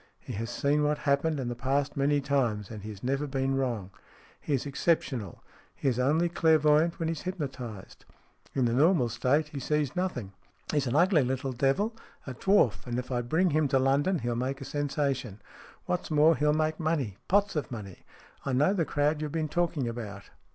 He has seen what happened in the past many times, and he has never been wrong. He is exceptional. He is only clairvoyant when he is hypnotized. In the normal state he sees nothing. He's an ugly little devil, a dwarf, and if I bring him to London he'll make a sensation. What's more, he'll make money. Pots of money. I know the crowd you've been talking about.